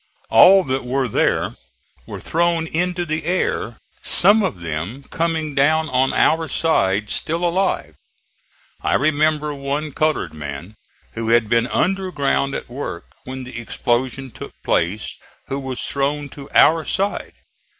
All that were there were thrown into the air, some of them coming down on our side, still alive. I remember one colored man, who had been under ground at work when the explosion took place, who was thrown to our side.